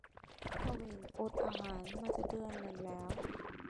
กวิ้นอดอาหารมาจะเดือนนึงแล้ว